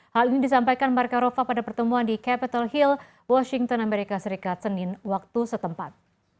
hal ini disampaikan markarofa pada pertemuan di capitol hill washington amerika serikat senin waktu setempat